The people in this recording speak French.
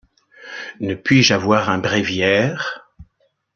Ne puis-je avoir un bréviaire?...